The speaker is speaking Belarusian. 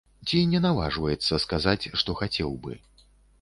Ці не наважваецца сказаць, што хацеў бы.